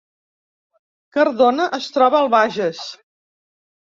Cardona es troba al Bages